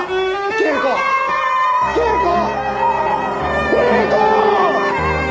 圭子！